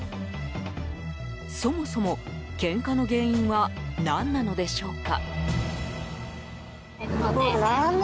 そもそも、けんかの原因は何なのでしょうか。